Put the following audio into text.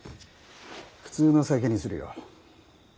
普通の酒にするよ。